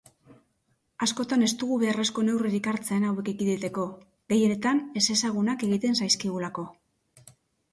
Askotan ez dugu beharrezko neurririk hartzen hauek ekiditeko, gehienetan ezezagunak egiten zaizkigulako.